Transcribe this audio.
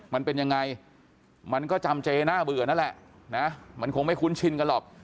มันเป็นยังไงมันก็จำเจน่าเบื่อนั่นแหละนะมันคงไม่คุ้นชินกันหรอก